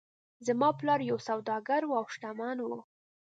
زما پلار یو سوداګر و او شتمن و.